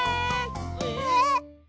えっ？